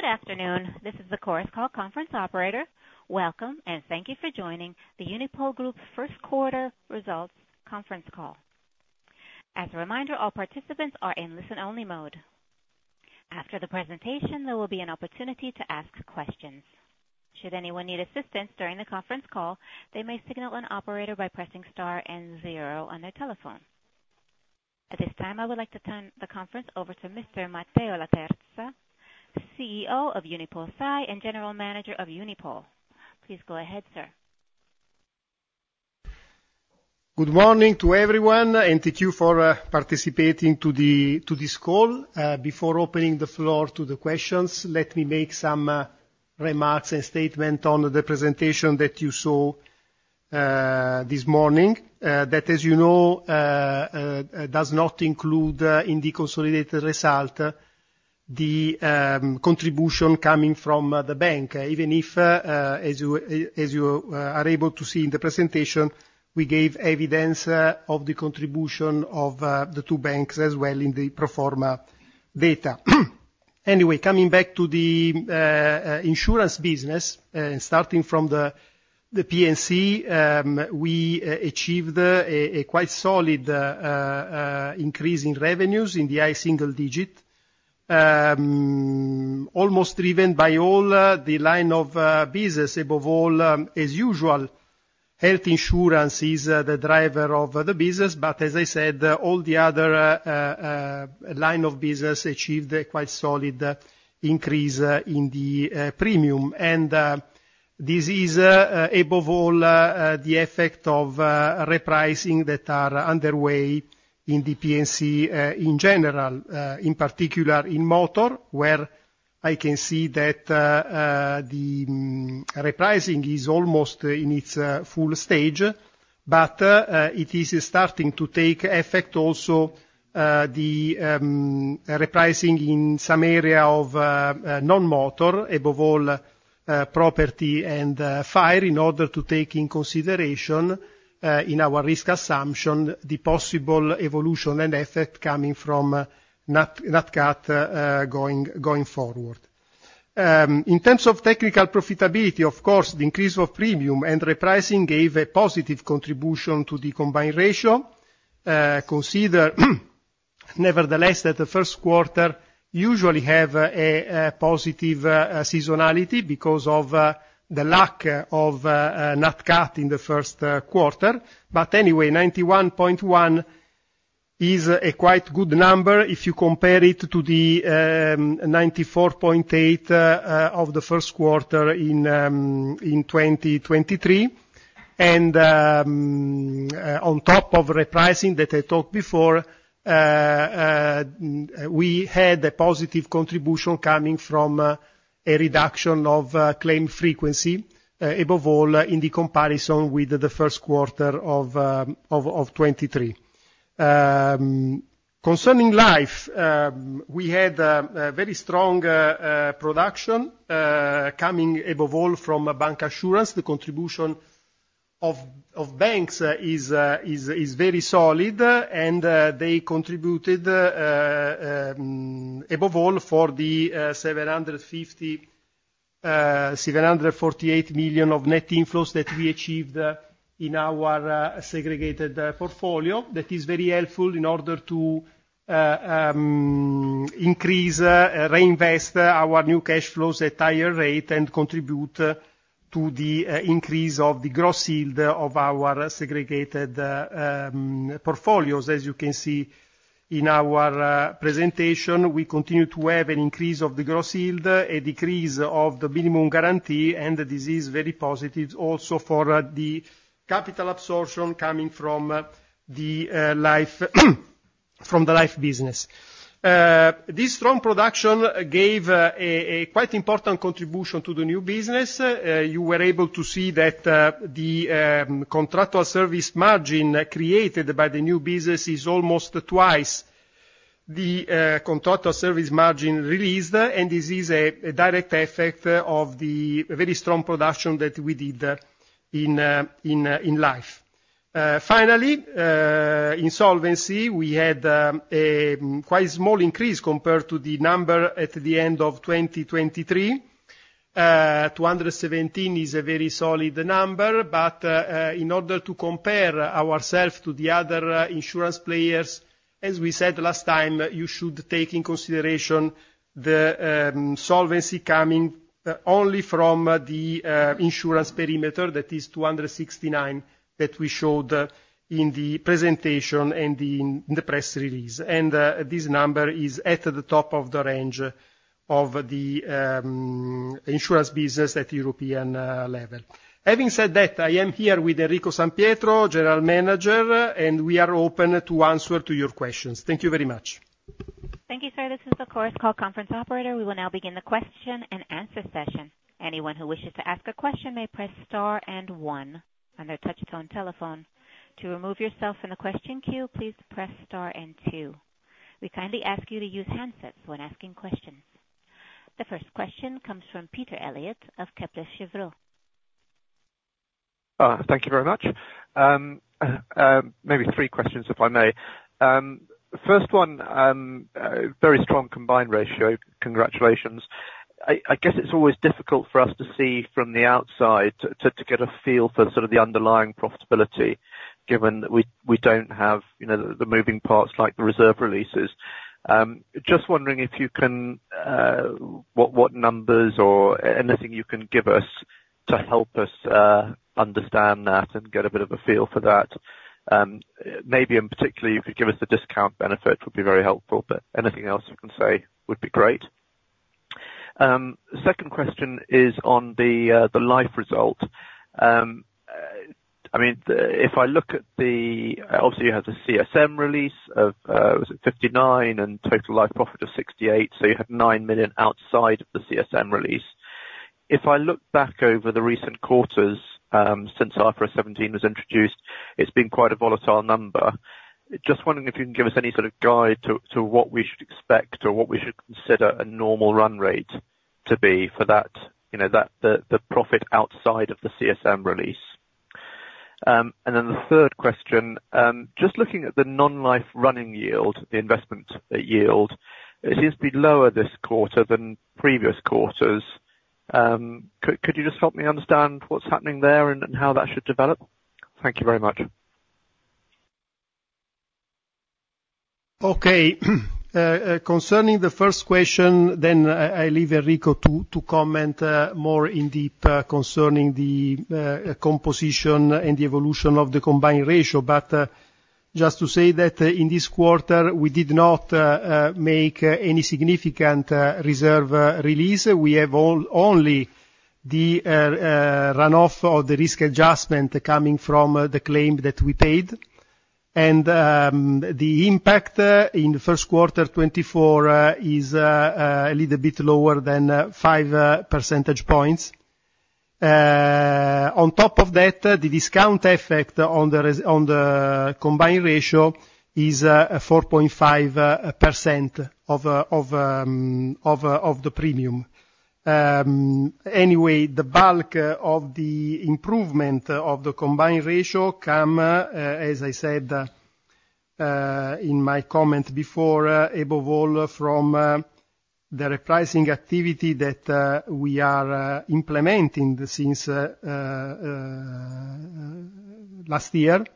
Good afternoon, this is the Chorus Call conference operator. Welcome, and thank you for joining the Unipol Group first quarter results conference call. As a reminder, all participants are in listen-only mode. After the presentation, there will be an opportunity to ask questions. Should anyone need assistance during the conference call, they may signal an operator by pressing star and zero on their telephone. At this time, I would like to turn the conference over to Mr. Matteo Laterza, CEO of UnipolSai and General Manager of Unipol. Please go ahead, sir. Good morning to everyone, and thank you for participating to this call. Before opening the floor to the questions, let me make some remarks and statement on the presentation that you saw this morning. That, as you know, does not include in the consolidated result the contribution coming from the bank. Even if, as you are able to see in the presentation, we gave evidence of the contribution of the two banks as well in the pro forma data. Anyway, coming back to the insurance business, starting from the P&C, we achieved a quite solid increase in revenues in the high single digit. Almost driven by all the line of business. Above all, as usual, health insurance is the driver of the business, but as I said, all the other line of business achieved a quite solid increase in the premium. And this is above all the effect of repricing that are underway in the P&C in general, in particular in motor, where I can see that the repricing is almost in its full stage, but it is starting to take effect also the repricing in some area of non-motor, above all property and fire, in order to take in consideration in our risk assumption, the possible evolution and effect coming from NatCat going forward. In terms of technical profitability, of course, the increase of premium and repricing gave a positive contribution to the combined ratio. Consider, nevertheless, that the first quarter usually have a positive seasonality because of the lack of NatCat in the first quarter. But anyway, 91.1 is a quite good number if you compare it to the 94.8 of the first quarter in 2023. And on top of repricing that I talked before, we had a positive contribution coming from a reduction of claim frequency above all, in the comparison with the first quarter of 2023. Concerning life, we had a very strong production coming above all from bancassurance. The contribution of banks is very solid, and they contributed above all for the 748 million of net inflows that we achieved in our segregated portfolio. That is very helpful in order to increase reinvest our new cash flows at higher rate and contribute to the increase of the gross yield of our segregated portfolios. As you can see in our presentation, we continue to have an increase of the gross yield, a decrease of the minimum guarantee, and this is very positive also for the capital absorption coming from the life business. This strong production gave a quite important contribution to the new business. You were able to see that the contractual service margin created by the new business is almost twice the contractual service margin released, and this is a direct effect of the very strong production that we did in life. Finally, in solvency, we had a quite small increase compared to the number at the end of 2023. 217 is a very solid number, but in order to compare ourselves to the other insurance players, as we said last time, you should take in consideration the solvency coming only from the insurance perimeter, that is 269, that we showed in the presentation and in the press release. This number is at the top of the range of the insurance business at European level. Having said that, I am here with Enrico San Pietro, General Manager, and we are open to answer to your questions. Thank you very much. Thank you, sir. This is the Chorus Call conference operator. We will now begin the question and answer session. Anyone who wishes to ask a question may press Star and One on their touchtone telephone. To remove yourself from the question queue, please press Star and Two. We kindly ask you to use handsets when asking questions. The first question comes from Peter Eliot of Kepler Cheuvreux. Thank you very much. Maybe three questions, if I may. First one, very strong combined ratio. Congratulations. I guess it's always difficult for us to see from the outside to get a feel for sort of the underlying profitability, given that we don't have, you know, the moving parts like the reserve releases. Just wondering if you can, what numbers or anything you can give us to help us understand that and get a bit of a feel for that? Maybe in particular, you could give us the discount benefit, would be very helpful, but anything else you can say would be great. Second question is on the life result. I mean, if I look at the, obviously, you have the CSM release of EUR 59 million, was it, and total life profit of 68 million, so you had 9 million outside of the CSM release. If I look back over the recent quarters, since IFRS 17 was introduced, it's been quite a volatile number. Just wondering if you can give us any sort of guide to what we should expect or what we should consider a normal run rate to be for that, you know, the profit outside of the CSM release. And then the third question, just looking at the non-life running yield, the investment yield, it seems to be lower this quarter than previous quarters. Could you just help me understand what's happening there and how that should develop? Thank you very much. Okay. Concerning the first question, then I leave Enrico to comment more in depth concerning the composition and the evolution of the combined ratio. But just to say that in this quarter, we did not make any significant reserve release. We have only the runoff of the risk adjustment coming from the claim that we paid. And the impact in the first quarter 2024 is a little bit lower than 5 percentage points. On top of that, the discount effect on the combined ratio is 4.5% of the premium. Anyway, the bulk of the improvement of the combined ratio come, as I said in my comment before, above all, from the repricing activity that we are implementing since last year.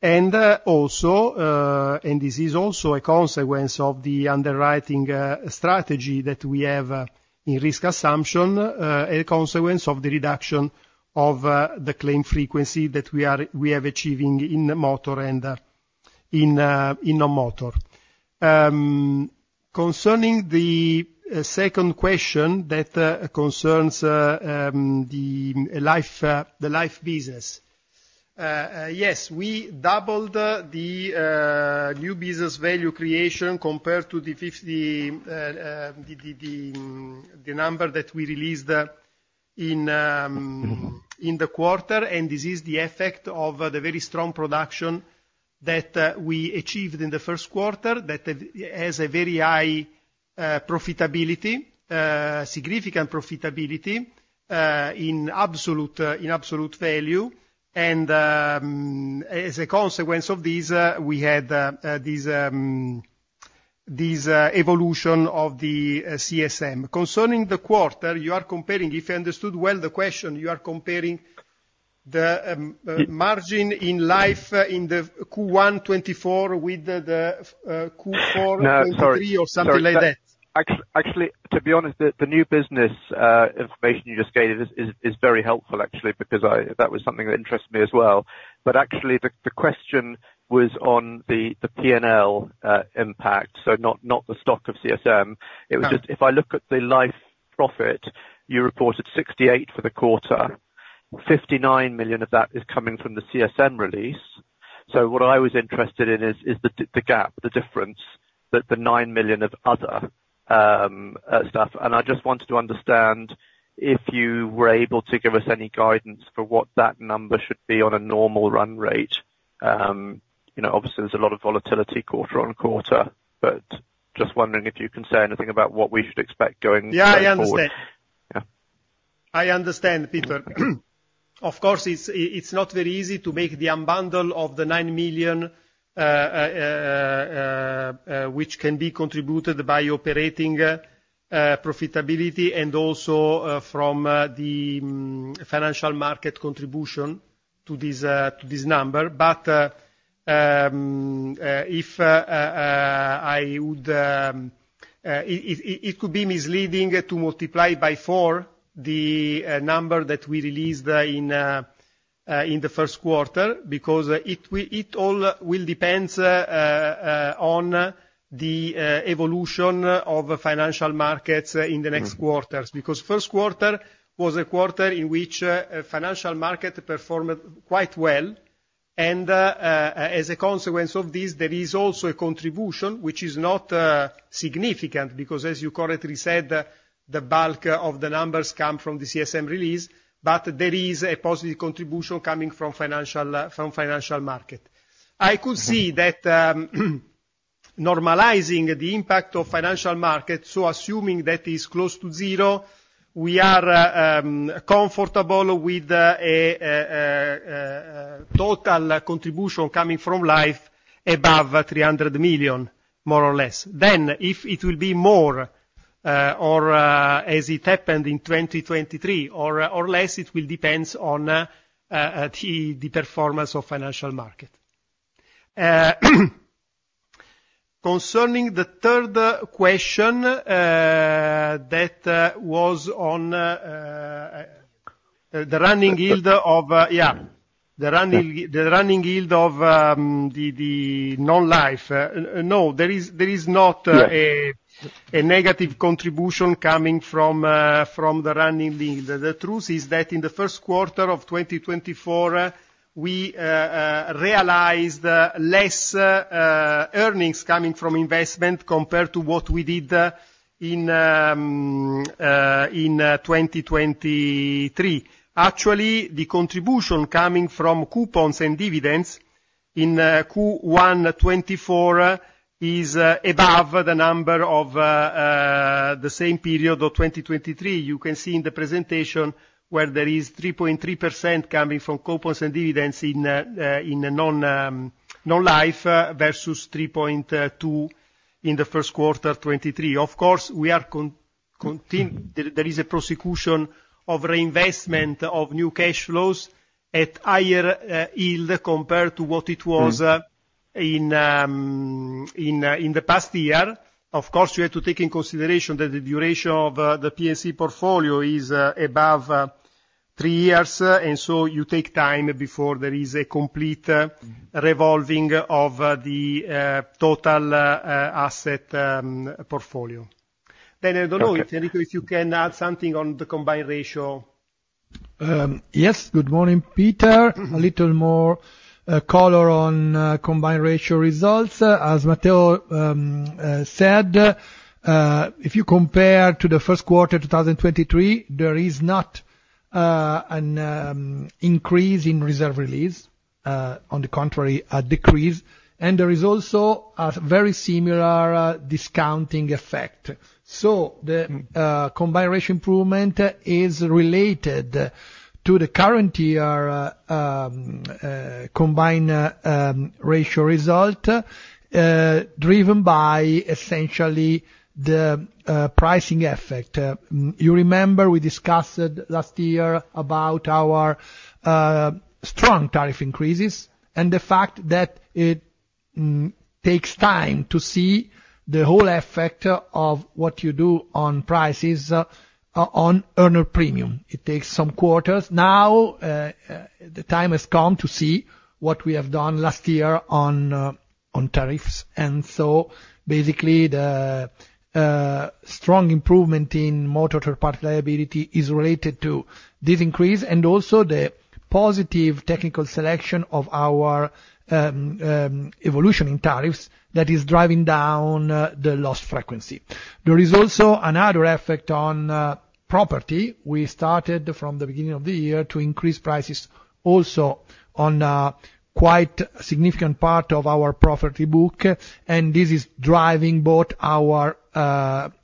Also, this is also a consequence of the underwriting strategy that we have in risk assumption, a consequence of the reduction of the claim frequency that we are achieving in the motor and in non-motor. Concerning the second question that concerns the life business. Yes, we doubled the new business value creation compared to the 50, the number that we released in the quarter, and this is the effect of the very strong production that we achieved in the first quarter, that has a very high profitability, significant profitability in absolute value. And, as a consequence of this, we had this evolution of the CSM. Concerning the quarter, you are comparing, if I understood well the question, you are comparing the margin in life in the Q1 2024 with the Q4 2023- No, sorry. Or something like that. Actually, to be honest, the new business information you just gave is very helpful, actually, because that was something that interested me as well. But actually, the question was on the PNL impact, so not the stock of CSM. Oh. It was just if I look at the life profit, you reported 68 for the quarter. 59 million of that is coming from the CSM release. So what I was interested in is the gap, the difference, the 9 million of other stuff. And I just wanted to understand if you were able to give us any guidance for what that number should be on a normal run rate. You know, obviously, there's a lot of volatility quarter-on-quarter, but just wondering if you can say anything about what we should expect going forward. Yeah, I understand. Yeah. I understand, Peter. Of course, it's not very easy to make the unbundle of the 9 million, which can be contributed by operating profitability and also from the financial market contribution to this number. But, if I would, it could be misleading to multiply by 4 the number that we released in the first quarter, because it all will depends on the evolution of the financial markets in the next quarters. Because first quarter was a quarter in which financial market performed quite well, and as a consequence of this, there is also a contribution, which is not significant, because as you correctly said, the bulk of the numbers come from the CSM release, but there is a positive contribution coming from financial market. I could see that normalizing the impact of financial market, so assuming that is close to zero, we are comfortable with total contribution coming from life above 300 million, more or less. Then if it will be more, or as it happened in 2023, or less, it will depends on the performance of financial market. Concerning the third question, that was on the running yield of the non-life. No, there is not- Yeah... a negative contribution coming from the running yield. The truth is that in the first quarter of 2024, we realized less earnings coming from investment compared to what we did in 2023. Actually, the contribution coming from coupons and dividends in Q1 2024 is above the number of the same period of 2023. You can see in the presentation where there is 3.3% coming from coupons and dividends in non-life, versus 3.2 in the first quarter 2023. Of course, we are continuing. There is a continuation of reinvestment of new cash flows at higher yield compared to what it was. In the past year. Of course, you have to take into consideration that the duration of the P&C portfolio is above three years, and so you take time before there is a complete revolving of the asset portfolio. Then I don't know if, Enrico, you can add something on the combined ratio. Yes. Good morning, Peter. A little more color on combined ratio results. As Matteo said, if you compare to the first quarter, 2023, there is not an increase in reserve release; on the contrary, a decrease, and there is also a very similar discounting effect. So the combined ratio improvement is related to the current year combined ratio result, driven by essentially the pricing effect. You remember we discussed last year about our strong tariff increases and the fact that it takes time to see the whole effect of what you do on prices, on earned premium. It takes some quarters. Now, the time has come to see what we have done last year on tariffs. So basically, the strong improvement in motor third party liability is related to this increase, and also the positive technical selection of our evolution in tariffs that is driving down the loss frequency. There is also another effect on property. We started from the beginning of the year to increase prices also on a quite significant part of our property book, and this is driving both our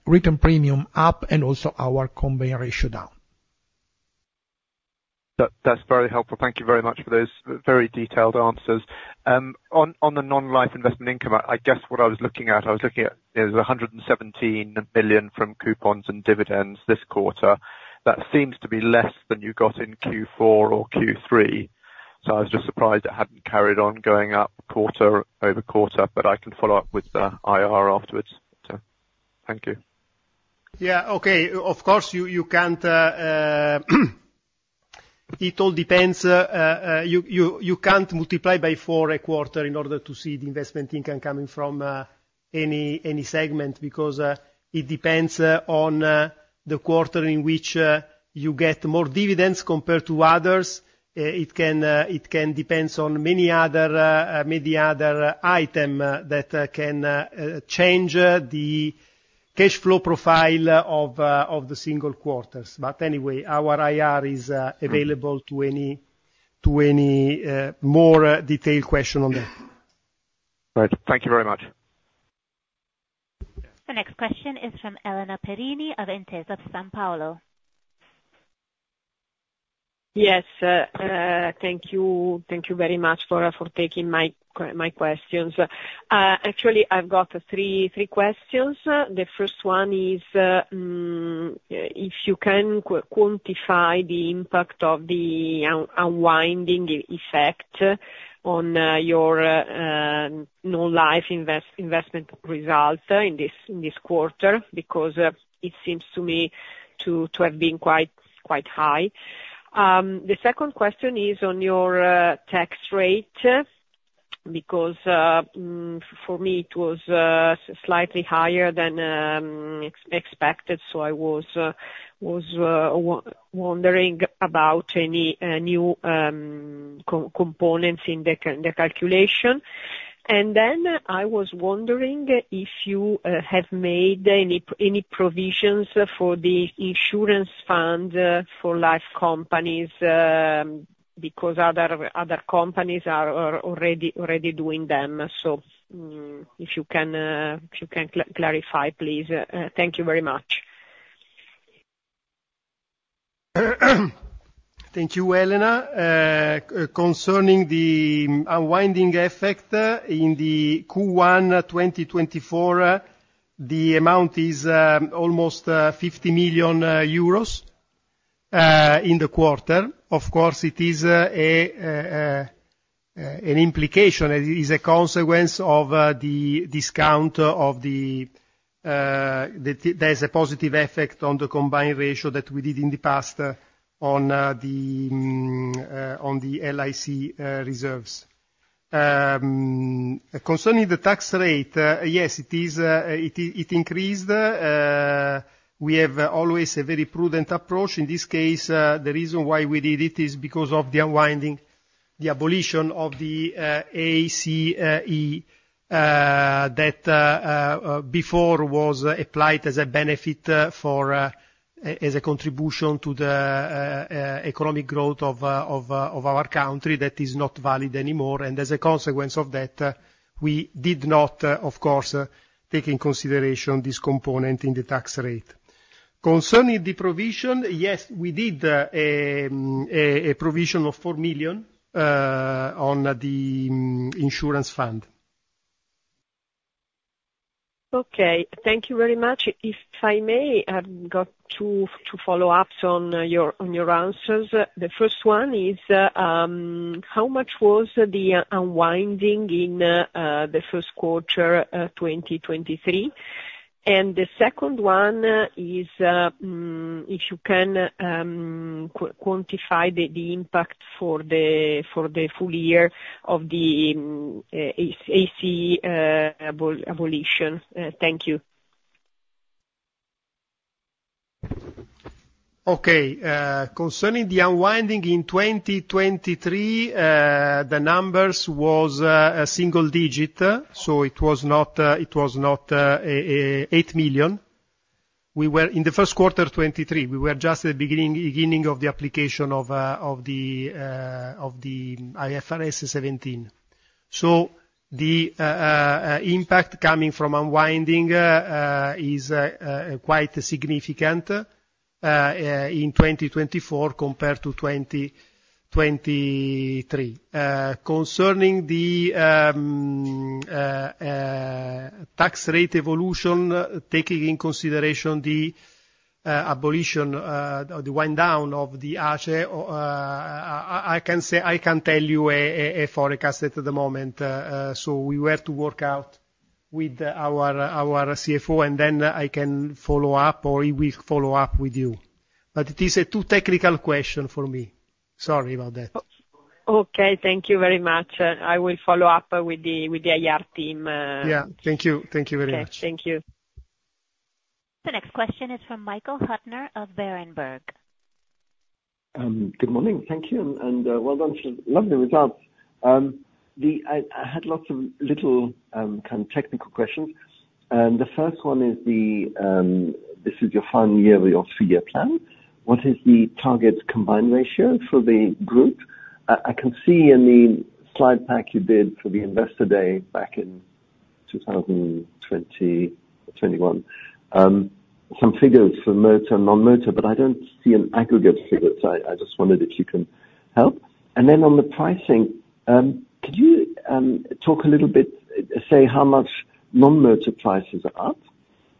return premium up and also our combined ratio down. That, that's very helpful. Thank you very much for those very detailed answers. On the non-life investment income, I guess what I was looking at is 117 billion from coupons and dividends this quarter. That seems to be less than you got in Q4 or Q3, so I was just surprised it hadn't carried on going up quarter over quarter, but I can follow up with the IR afterwards, so thank you. Yeah. Okay. Of course, you can't, it all depends, you can't multiply by four a quarter in order to see the investment income coming from any segment, because it depends on the quarter in which you get more dividends compared to others. It can depends on many other item that can change the cash flow profile of the single quarters. But anyway, our IR is available to any more detailed question on that. Right. Thank you very much. The next question is from Elena Perini of Intesa Sanpaolo. Yes, thank you. Thank you very much for taking my questions. Actually, I've got three questions. The first one is, if you can quantify the impact of the unwinding effect on your non-life investment results in this quarter, because it seems to me to have been quite high. The second question is on your tax rate, because for me, it was slightly higher than expected, so I was wondering about any new components in the calculation. And then I was wondering if you have made any provisions for the insurance fund for life companies, because other companies are already doing them. So, if you can, if you can clarify, please. Thank you very much. Thank you, Elena. Concerning the unwinding effect in the Q1 2024, the amount is almost 50 million euros in the quarter. Of course, it is an implication. It is a consequence of the discount of the... That there's a positive effect on the combined ratio that we did in the past on the LIC reserves. Concerning the tax rate, yes, it increased. We have always a very prudent approach. In this case, the reason why we did it is because of the unwinding, the abolition of the ACE, that before was applied as a benefit for as a contribution to the economic growth of our country that is not valid anymore. As a consequence of that, we did not, of course, take in consideration this component in the tax rate. Concerning the provision, yes, we did a provision of 4 million on the insurance fund. Okay. Thank you very much. If I may, I've got two, two follow-ups on your, on your answers. The first one is, how much was the unwinding in, the first quarter, 2023? And the second one is, if you can, quantify the, the impact for the, for the full year of the, ACE, abolition. Thank you. Okay. Concerning the unwinding in 2023, the numbers was a single digit, so it was not eight million. We were. In the first quarter 2023, we were just at the beginning of the application of the IFRS 17. So the impact coming from unwinding is quite significant in 2024 compared to 2023. Concerning the tax rate evolution, taking in consideration the abolition, the wind down of the ACE, I can say, I can't tell you a forecast at the moment. So we were to work out with our CFO, and then I can follow up, or he will follow up with you. But it is a too technical question for me. Sorry about that. Okay. Thank you very much. I will follow up with the IR team. Yeah. Thank you. Thank you very much. Okay. Thank you. The next question is from Michael Huttner of Berenberg. Good morning. Thank you, and well done. Lovely results. I had lots of little kind of technical questions, and the first one is this is your final year of your three-year plan. What is the target combined ratio for the group? I can see in the slide pack you did for the Investor Day back in 2021, some figures for motor and non-motor, but I don't see an aggregate figure, so I just wondered if you can help. And then on the pricing, could you talk a little bit, say, how much non-motor prices are up,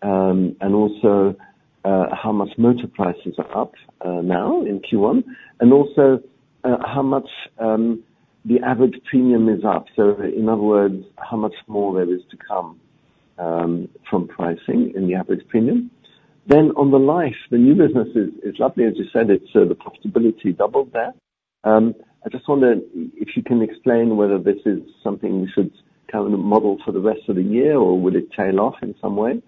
and also how much motor prices are up now in Q1, and also how much the average premium is up? So in other words, how much more there is to come from pricing in the average premium. Then on the life, the new business is, is lovely. As you said, it's the profitability doubled there. I just wonder if you can explain whether this is something we should kind of model for the rest of the year, or will it tail off in some way?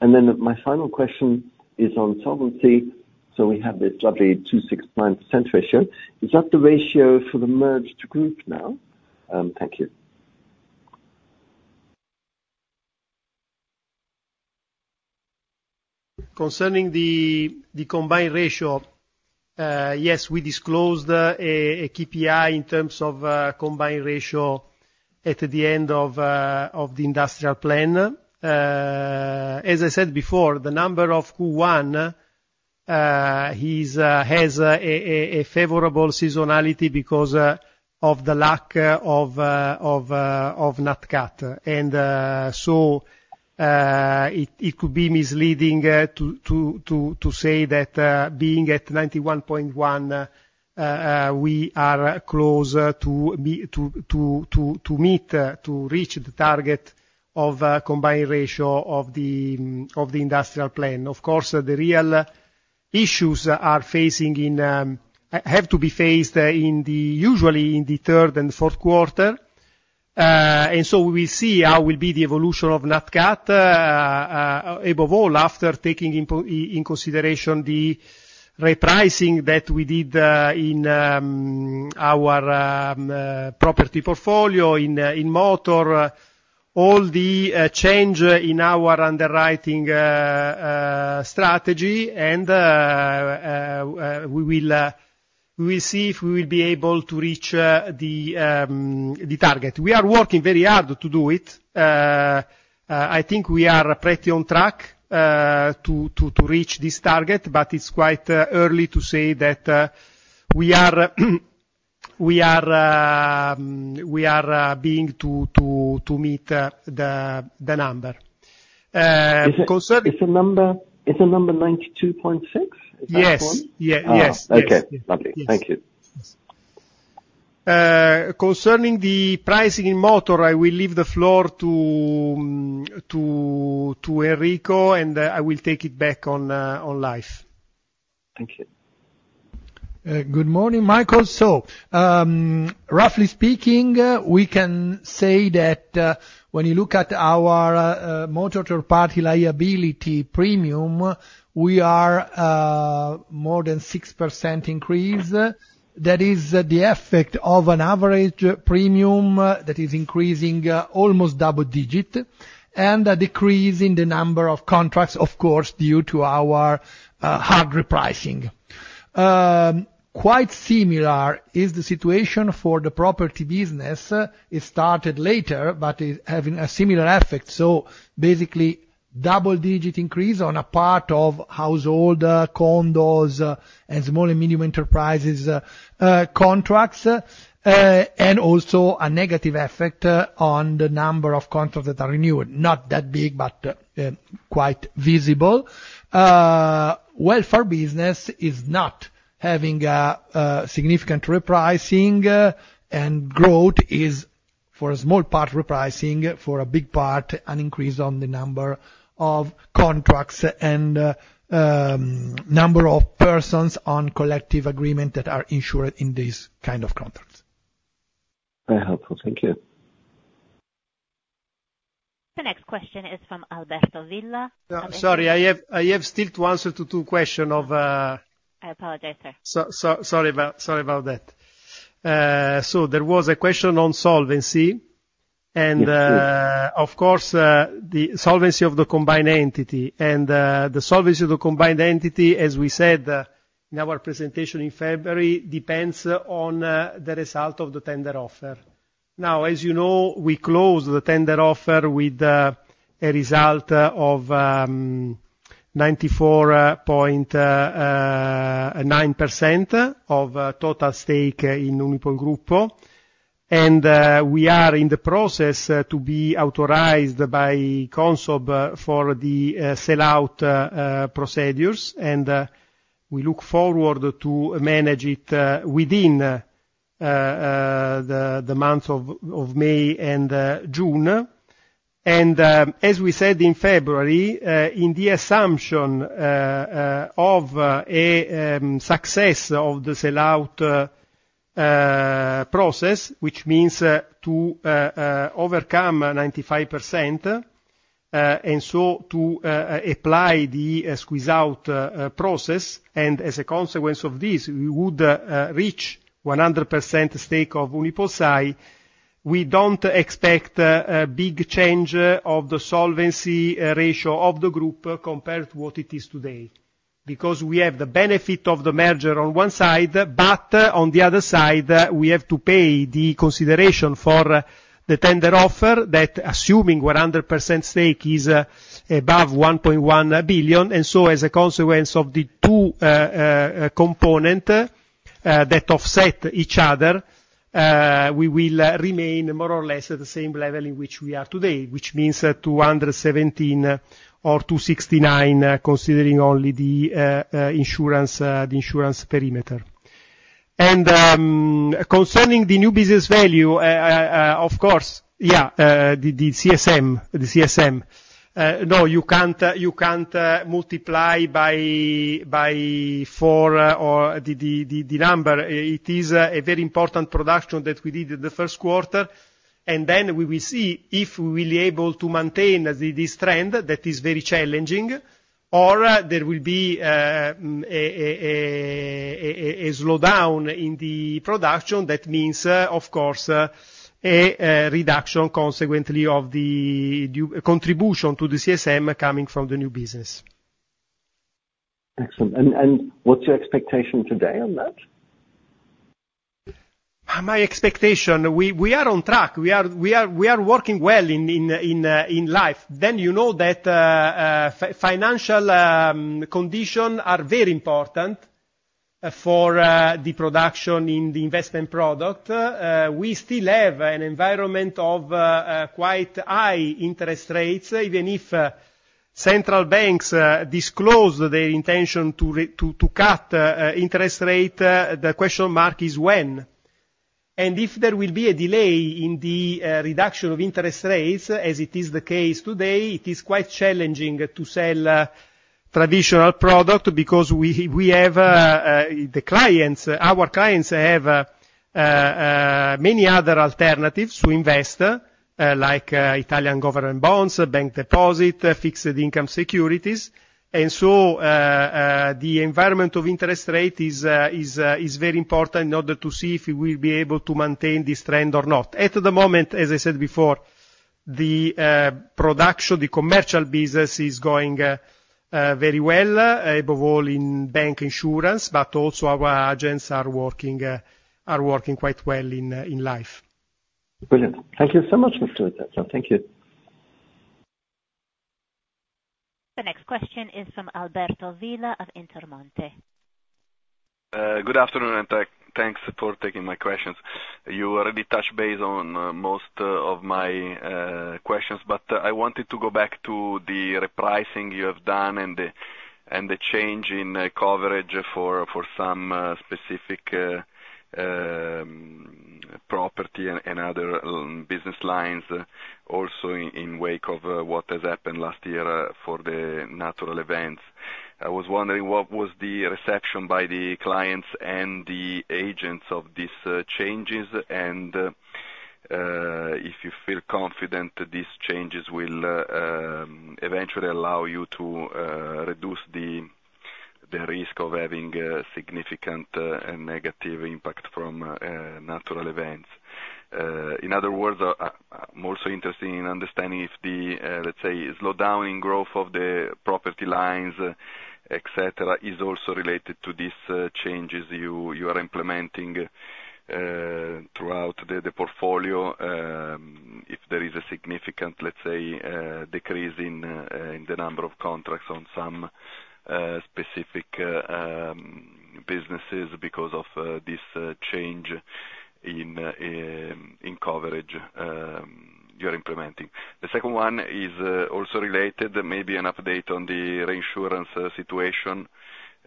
And then my final question is on solvency. So we have this lovely 26% ratio. Is that the ratio for the merged group now? Thank you. Concerning the combined ratio, yes, we disclosed a KPI in terms of combined ratio at the end of the industrial plan. As I said before, the number of Q1 has a favorable seasonality because of the lack of NatCat. So it could be misleading to say that being at 91.1 we are close to reach the target of combined ratio of the industrial plan. Of course, the real issues have to be faced usually in the third and fourth quarter. So we will see how the evolution of NatCat will be, above all, after taking into consideration the repricing that we did in our property portfolio, in motor, all the change in our underwriting strategy, and we will. We see if we will be able to reach the target. We are working very hard to do it. I think we are pretty on track to reach this target, but it's quite early to say that we are beginning to meet the number. Concerning- It's a number, it's the number 92.6? Yes. Is that the one? Yes. Ah, okay. Lovely. Yes. Thank you. Concerning the pricing in motor, I will leave the floor to Enrico, and I will take it back on life. Thank you. Good morning, Michael. So, roughly speaking, we can say that, when you look at our motor third-party liability premium, we are more than 6% increase. That is the effect of an average premium that is increasing almost double-digit, and a decrease in the number of contracts, of course, due to our hard repricing. Quite similar is the situation for the property business. It started later, but it having a similar effect. So basically, double-digit increase on a part of household, condos, and small and medium enterprises, contracts, and also a negative effect on the number of contracts that are renewed. Not that big, but quite visible. Welfare business is not having a significant repricing, and growth is, for a small part, repricing, for a big part, an increase on the number of contracts and number of persons on collective agreement that are insured in these kind of contracts. Very helpful. Thank you. The next question is from Alberto Villa. Sorry, I have still to answer to two question of I apologize, sir. Sorry about that. So there was a question on solvency, and Yes, please... of course, the solvency of the combined entity, and the solvency of the combined entity, as we said, in our presentation in February, depends on the result of the tender offer. Now, as you know, we closed the tender offer with a result of 94.9% of total stake in Unipol Gruppo. And we are in the process to be authorized by Consob for the squeeze-out procedures, and we look forward to manage it within the months of May and June. And, as we said in February, in the assumption of success of the sellout process, which means to overcome 95%, and so to apply the squeeze-out process, and as a consequence of this, we would reach 100% stake of UnipolSai. We don't expect a big change of the solvency ratio of the group compared to what it is today, because we have the benefit of the merger on one side, but on the other side, we have to pay the consideration for the tender offer, that assuming 100% stake is above 1.1 billion. So, as a consequence of the two components that offset each other, we will remain more or less at the same level in which we are today, which means 217 or 269, considering only the insurance, the insurance perimeter. And, concerning the new business value, of course, yeah, the CSM, the CSM. No, you can't, you can't multiply by four or the number. It is a very important production that we did in the first quarter, and then we will see if we will be able to maintain this trend that is very challenging, or there will be a slowdown in the production. That means, of course, a reduction consequently of the contribution to the CSM coming from the new business. Excellent. And, and, what's your expectation today on that? My expectation, we are on track. We are working well in life. Then you know that financial conditions are very important for the production in the investment product. We still have an environment of quite high interest rates, even if central banks disclose their intention to cut interest rate, the question mark is when? And if there will be a delay in the reduction of interest rates, as it is the case today, it is quite challenging to sell traditional product because we have the clients, our clients have many other alternatives to invest, like Italian government bonds, bank deposit, fixed income securities. The interest rate environment is very important in order to see if we will be able to maintain this trend or not. At the moment, as I said before-... The production, the commercial business is going very well, above all in bancassurance, but also our agents are working quite well in life. Brilliant. Thank you so much, Mr. Laterza. Thank you. The next question is from Alberto Villa of Intermonte. Good afternoon, and thanks for taking my questions. You already touched base on most of my questions, but I wanted to go back to the repricing you have done and the change in coverage for some specific property and other business lines, also in wake of what has happened last year for the natural events. I was wondering, what was the reception by the clients and the agents of these changes? And if you feel confident that these changes will eventually allow you to reduce the risk of having significant and negative impact from natural events. In other words, I'm also interested in understanding if the, let's say, slowdown in growth of the property lines, et cetera, is also related to these changes you are implementing throughout the portfolio. If there is a significant, let's say, decrease in the number of contracts on some specific businesses because of this change in coverage you're implementing. The second one is also related, maybe an update on the reinsurance situation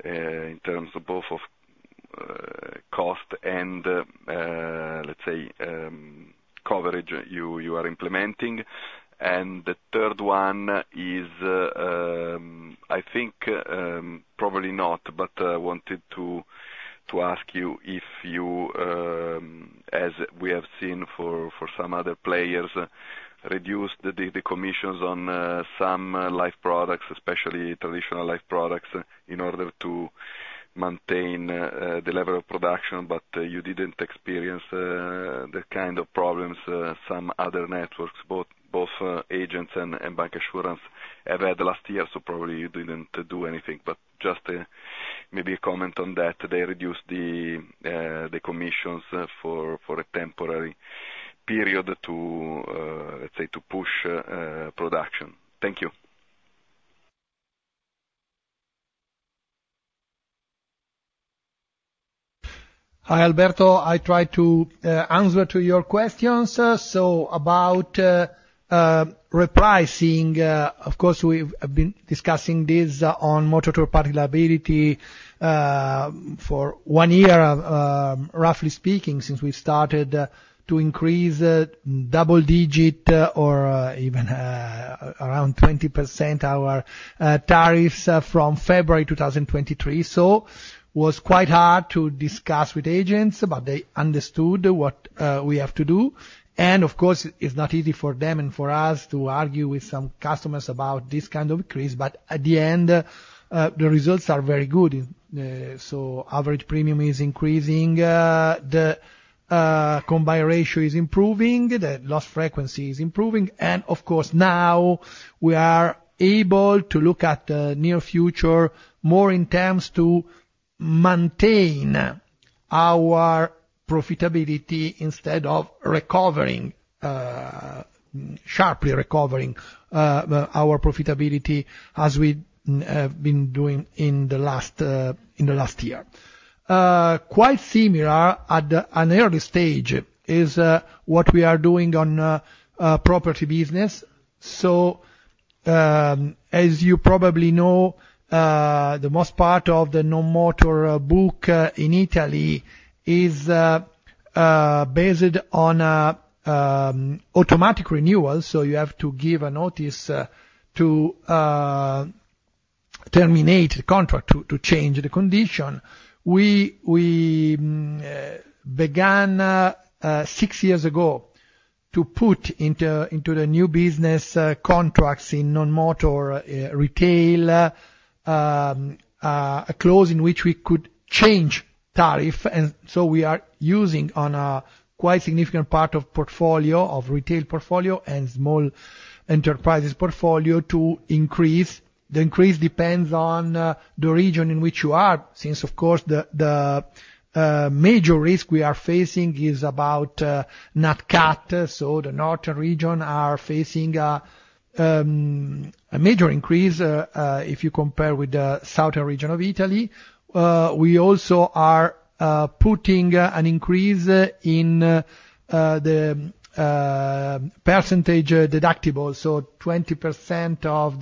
in terms of both of cost and, let's say, coverage you are implementing. The third one is, I think, probably not, but I wanted to ask you if you, as we have seen for some other players, reduced the commissions on some life products, especially traditional life products, in order to maintain the level of production, but you didn't experience the kind of problems some other networks, both agents and bancassurance have had last year, so probably you didn't do anything. But just maybe a comment on that. They reduced the commissions for a temporary period to, let's say, to push production. Thank you. Hi, Alberto. I try to answer to your questions. So about repricing, of course, we've been discussing this on motor third party liability for one year, roughly speaking, since we started to increase double-digit or even around 20% our tariffs from February 2023. So was quite hard to discuss with agents, but they understood what we have to do. And of course, it's not easy for them and for us to argue with some customers about this kind of increase, but at the end the results are very good. So average premium is increasing, the combined ratio is improving, the loss frequency is improving, and of course, now we are able to look at the near future more in terms to maintain our profitability instead of recovering, sharply recovering, our profitability as we have been doing in the last, in the last year. Quite similar at an early stage is what we are doing on property business. So, as you probably know, the most part of the Non-Motor book in Italy is based on automatic renewal, so you have to give a notice to terminate the contract, to change the condition. We began six years ago to put into the new business contracts in Non-Motor retail a clause in which we could change tariff, and so we are using on a quite significant part of portfolio, of retail portfolio and small enterprises portfolio to increase. The increase depends on the region in which you are, since, of course, the major risk we are facing is about NatCat. So the northern region are facing a major increase if you compare with the southern region of Italy. We also are putting an increase in the percentage deductible, so 20% of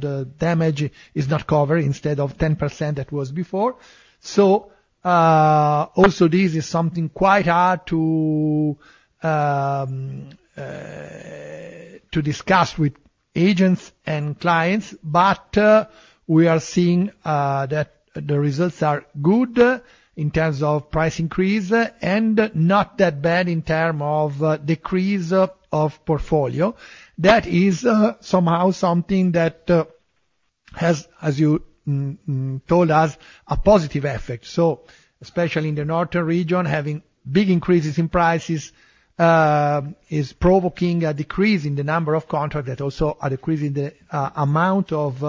the damage is not covered instead of 10% that was before. So, also, this is something quite hard to discuss with agents and clients, but we are seeing that the results are good in terms of price increase and not that bad in term of decrease of portfolio. That is somehow something that has, as you told us, a positive effect. So especially in the northern region, having big increases in prices is provoking a decrease in the number of contracts that also are decreasing the amount of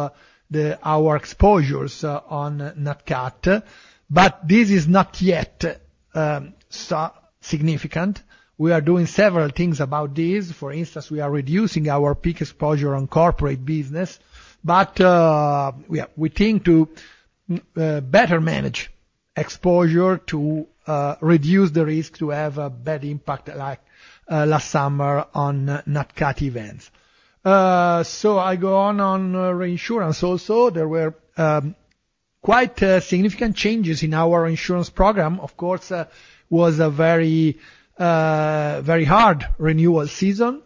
our exposures on NatCat. But this is not yet so significant. We are doing several things about this. For instance, we are reducing our peak exposure on corporate business, but we think to better manage exposure to reduce the risk to have a bad impact like last summer on NatCat events. So I go on, on reinsurance also. There were quite significant changes in our insurance program. Of course, was a very, very hard renewal season.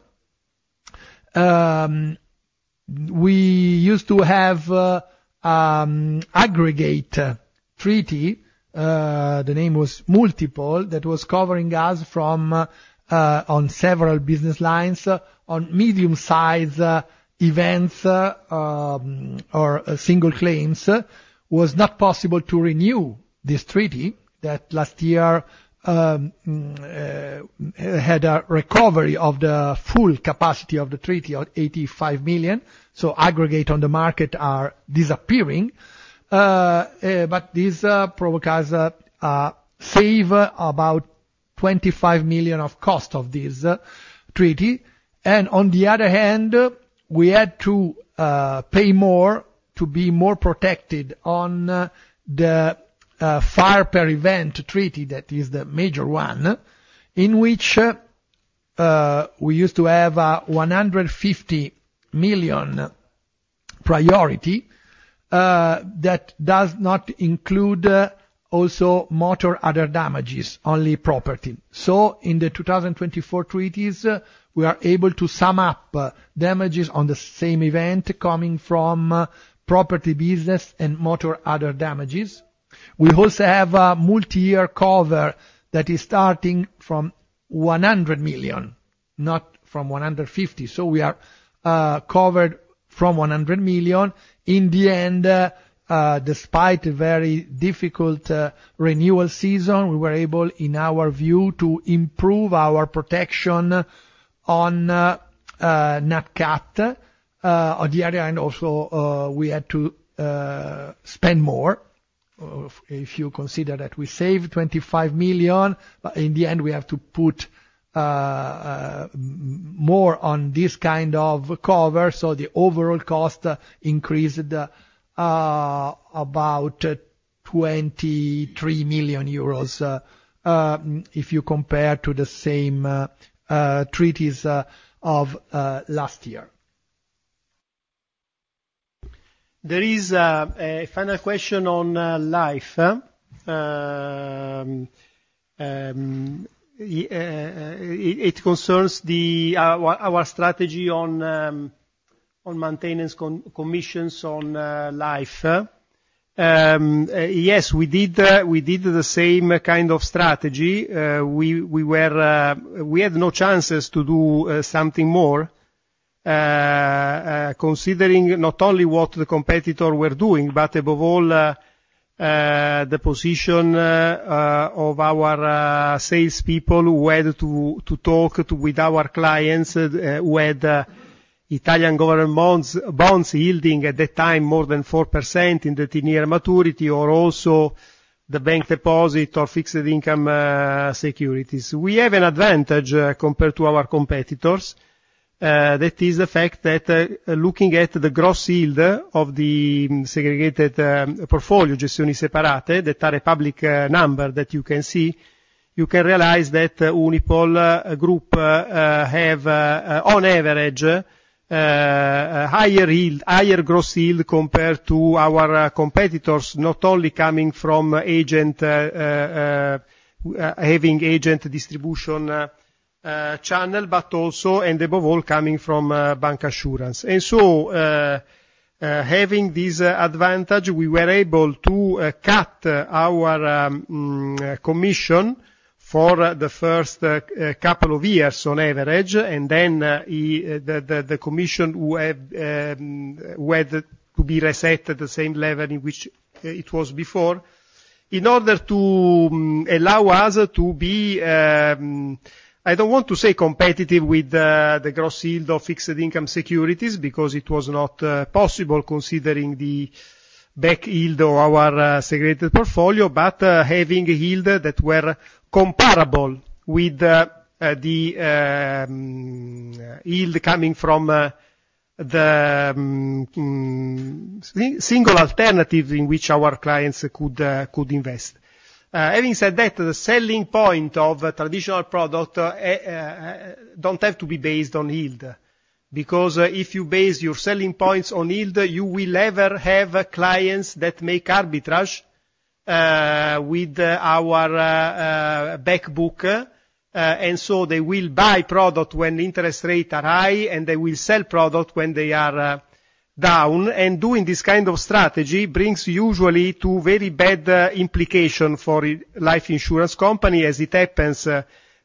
We used to have aggregate treaty, the name was Multiple, that was covering us from on several business lines on medium-sized events or single claims. Was not possible to renew this treaty, that last year had a recovery of the full capacity of the treaty of 85 million, so aggregate on the market are disappearing. But this provides savings of about 25 million of cost of this treaty. And on the other hand, we had to pay more to be more protected on the fire per event treaty, that is the major one, in which we used to have a 150 million priority, that does not include also motor other damages, only property. So in the 2024 treaties, we are able to sum up damages on the same event coming from property business and motor other damages. We also have a multiyear cover that is starting from 100 million, not from 150. So we are covered from 100 million. In the end, despite a very difficult renewal season, we were able, in our view, to improve our protection on NatCat. On the other hand, also, we had to spend more. If you consider that we saved 25 million, but in the end, we have to put more on this kind of cover, so the overall cost increased about 23 million euros, if you compare to the same treaties of last year. There is a final question on life. It concerns our strategy on maintenance commissions on life. Yes, we did the same kind of strategy. We were... We had no chances to do something more, considering not only what the competitor were doing, but above all, the position of our salespeople, who had to to talk to with our clients with Italian government bonds, bonds yielding at that time more than 4% in the ten-year maturity, or also the bank deposit or fixed income securities. We have an advantage compared to our competitors. That is the fact that, looking at the gross yield of the segregated portfolio, Gestioni Separate, that are a public number that you can see, you can realize that Unipol Gruppo have on average a higher yield, higher gross yield compared to our competitors, not only coming from agent having agent distribution channel, but also, and above all, coming from bancassurance. And so, having this advantage, we were able to cut our commission for the first couple of years on average, and then the commission would have to be reset at the same level in which it was before. In order to allow us to be, I don't want to say competitive with the gross yield of fixed income securities, because it was not possible considering the back yield of our segregated portfolio, but having a yield that were comparable with the yield coming from the single alternative in which our clients could invest. Having said that, the selling point of a traditional product don't have to be based on yield, because if you base your selling points on yield, you will ever have clients that make arbitrage with our back book, and so they will buy product when interest rates are high, and they will sell product when they are-... down, and doing this kind of strategy brings usually to very bad implication for life insurance company, as it happens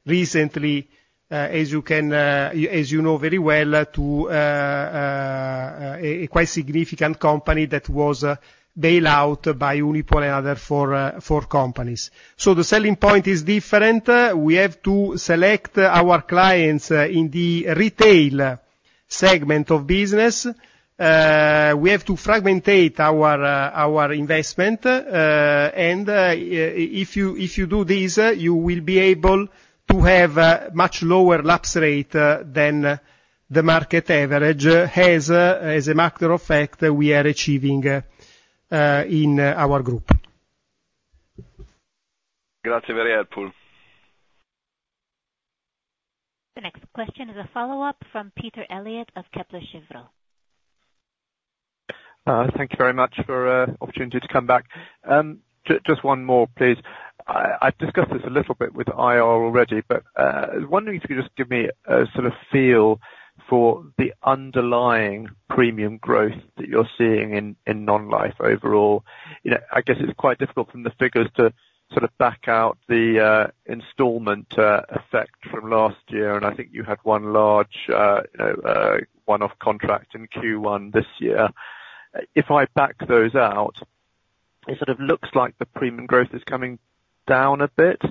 recently, as you can as you know very well to a quite significant company that was bail out by Unipol and other four companies. So the selling point is different. We have to select our clients in the retail segment of business. We have to fragmentate our investment, and if you do this, you will be able to have much lower lapse rate than the market average. As a matter of fact, we are achieving in our group. Grazie, very helpful. The next question is a follow-up from Peter Eliot of Kepler Cheuvreux. Thank you very much for opportunity to come back. Just one more, please. I've discussed this a little bit with IR already, but I was wondering if you could just give me a sort of feel for the underlying premium growth that you're seeing in non-life overall. You know, I guess it's quite difficult from the figures to sort of back out the installment effect from last year, and I think you had one large, you know, one-off contract in Q1 this year. If I back those out, it sort of looks like the premium growth is coming down a bit.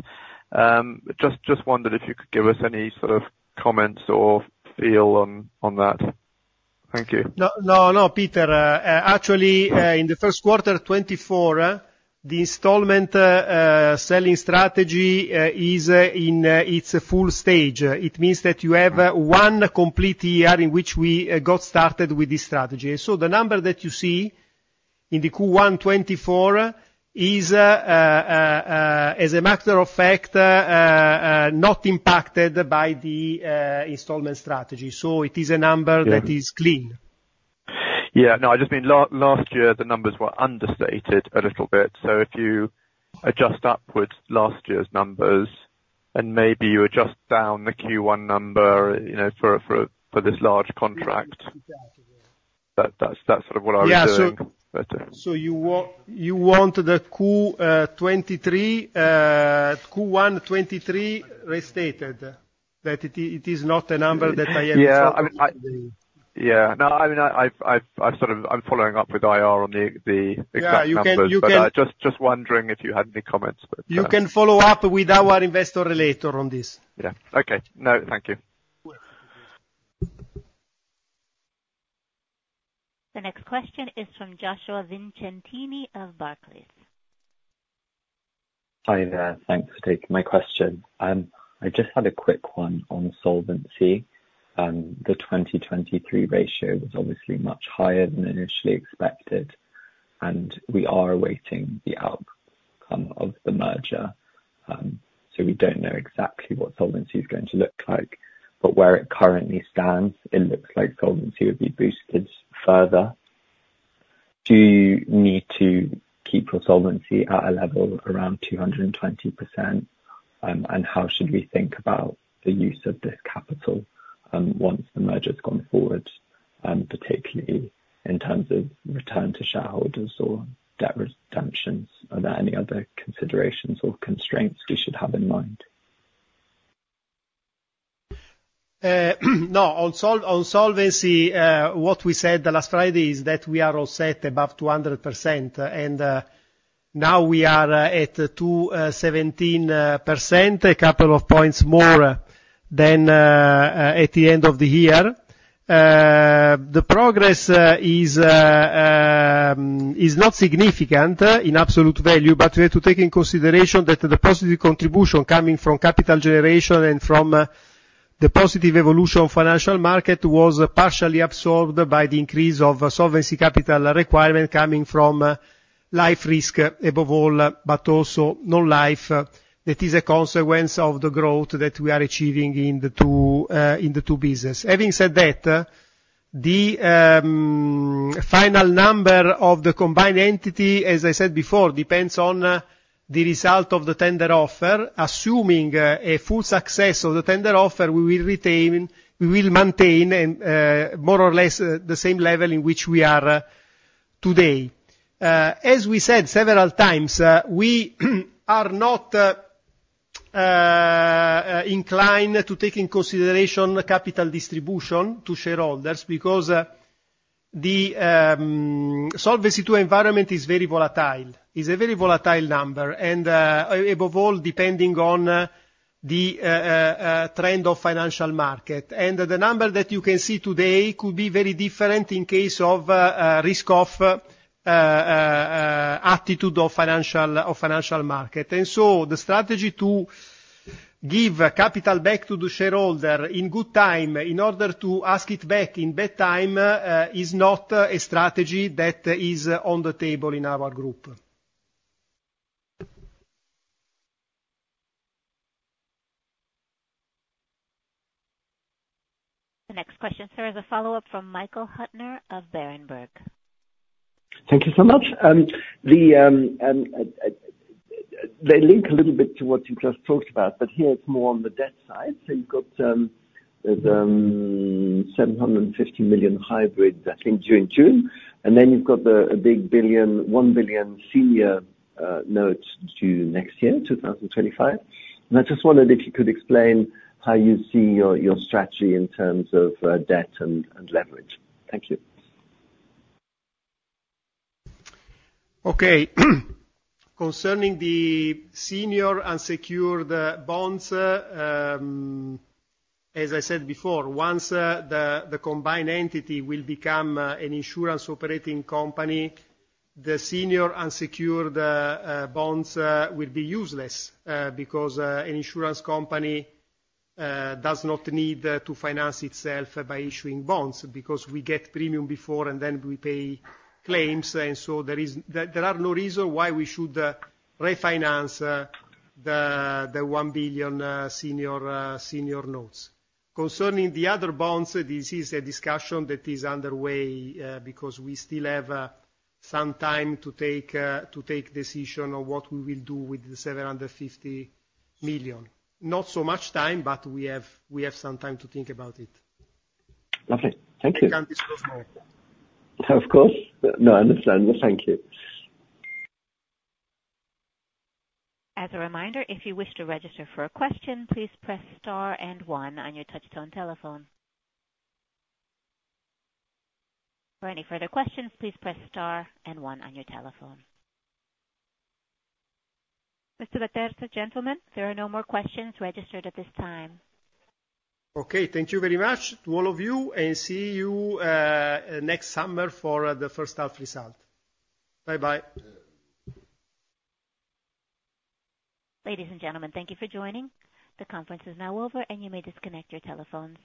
Just wondered if you could give us any sort of comments or feel on that. Thank you. No, no, Peter, actually, in the first quarter of 2024, the installment selling strategy is in its full stage. It means that you have one complete year in which we got started with this strategy. So the number that you see in the Q1 2024 is, as a matter of fact, not impacted by the installment strategy. So it is a number- Yeah. That is clean. Yeah. No, I just mean last year, the numbers were understated a little bit. So if you adjust upwards last year's numbers, and maybe you adjust down the Q1 number, you know, for this large contract. That's sort of what I was doing. Yeah. But, uh- So you want the Q1 2023 restated, that it is, it is not a number that I am talking with the- Yeah. I mean, yeah. No, I mean, I've sort of, I'm following up with IR on the exact numbers- Yeah, you can, you can- But, just, just wondering if you had any comments, but. You can follow up with our investor later on this. Yeah. Okay. No, thank you. The next question is from Joshua Vincentini of Barclays. Hi, there. Thanks for taking my question. I just had a quick one on solvency. The 2023 ratio was obviously much higher than initially expected, and we are awaiting the outcome of the merger. So we don't know exactly what solvency is going to look like, but where it currently stands, it looks like solvency would be boosted further. Do you need to keep your solvency at a level around 220%? And how should we think about the use of this capital, once the merger's gone forward, particularly in terms of return to shareholders or debt redemptions? Are there any other considerations or constraints we should have in mind? No. On solvency, what we said last Friday is that we are all set above 200%, and now we are at 217%, a couple of points more than at the end of the year. The progress is not significant in absolute value, but we have to take into consideration that the positive contribution coming from capital generation and from the positive evolution of financial market was partially absorbed by the increase of solvency capital requirement coming from life risk, above all, but also non-life. That is a consequence of the growth that we are achieving in the two businesses. Having said that, the final number of the combined entity, as I said before, depends on the result of the tender offer. Assuming a full success of the tender offer, we will retain, we will maintain and, more or less, the same level in which we are today. As we said several times, we are not inclined to take into consideration the capital distribution to shareholders because the Solvency II environment is very volatile. It's a very volatile number, and above all, depending on the trend of financial market. And the number that you can see today could be very different in case of risk-off attitude of financial market. And so the strategy to give capital back to the shareholder in good time, in order to ask it back in bad time is not a strategy that is on the table in our group. The next question is a follow-up from Michael Huttner of Berenberg. Thank you so much. They link a little bit to what you just talked about, but here it's more on the debt side. So, you've got the 750 million hybrids, I think, due in June, and then you've got a big 1 billion senior notes due next year, 2025. And I just wondered if you could explain how, you see your strategy in terms of debt and leverage. Thank you. Okay. Concerning the senior unsecured bonds, as I said before, once the combined entity will become an insurance operating company, the senior unsecured bonds will be useless, because an insurance company does not need to finance itself by issuing bonds, because we get premium before, and then we pay claims, and so there are no reason why we should refinance the 1 billion senior notes. Concerning the other bonds, this is a discussion that is underway, because we still have some time to take decision on what we will do with the 750 million. Not so much time, but we have some time to think about it. Lovely. Thank you. I can't disclose more. Of course. No, I understand. Thank you. As a reminder, if you wish to register for a question, please press star and one on your touchtone telephone. For any further questions, please press star and one on your telephone. Mr. Laterza, gentlemen, there are no more questions registered at this time. Okay. Thank you very much to all of you and see you next summer for the first half result. Bye-bye. Ladies and gentlemen, thank you for joining. The conference is now over, and you may disconnect your telephones.